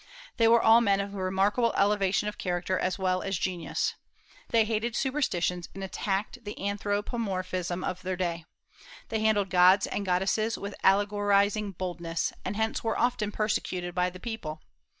They were all men of remarkable elevation of character as well as genius. They hated superstitions, and attacked the anthropomorphism of their day. They handled gods and goddesses with allegorizing boldness, and hence were often persecuted by the people.